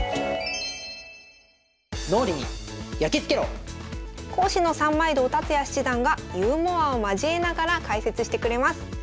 脳裏に焼き付けろ！講師の三枚堂達也七段がユーモアを交えながら解説してくれます。